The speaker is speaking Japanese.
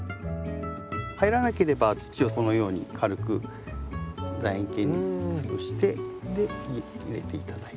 入らなければ土をそのように軽くだ円形に潰して入れて頂いて。